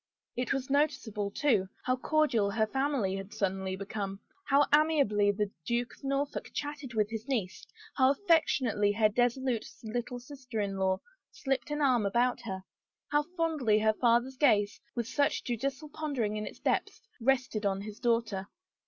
It was noticeable, too, how cordial her family had suddenly become, how amiably the Duke of Norfolk chatted with his niece, how affectionately her dissolute little sister in law slipped an arm about her, how fondly her father's gaze, with such judicial pondering in its depths, rested on his daughter.